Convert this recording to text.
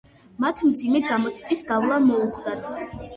მათ მძიმე გამოცდის გავლა მოუხდათ.